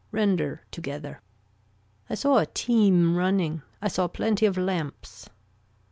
Render together. I saw a team running. I saw plenty of lamps.